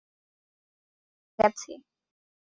এখন আমি জেনে গেছি।